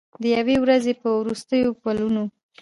د یوې ورځې په وروستیو پلونو